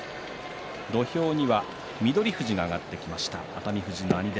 土俵には翠富士が上がってきました。